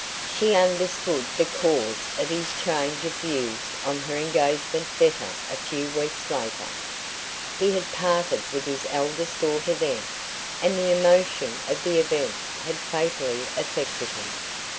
She understood the cause of his change of views on her engagement better a few weeks later. He had parted with his eldest daughter then, and the emotion of the event had fatally affected him.